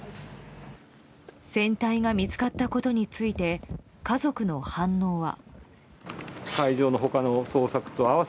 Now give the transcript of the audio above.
船体が見つかったことについて家族の反応は。